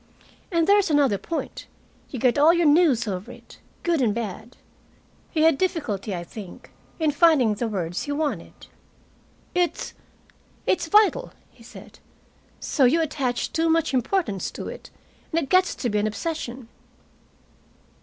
And there's another point you get all your news over it, good and bad." He had difficulty, I think, in finding the words he wanted. "It's it's vital," he said. "So you attach too much importance to it, and it gets to be an obsession."